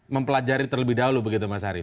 mempelajari terlebih dahulu begitu mas ari